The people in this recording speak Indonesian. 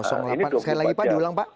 sekali lagi pak diulang pak